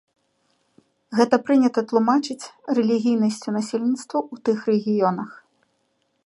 Гэта прынята тлумачыць рэлігійнасцю насельніцтва ў тых рэгіёнах.